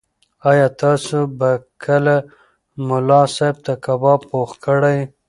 ایا تاسو به کله ملا صاحب ته کباب پوخ کړئ؟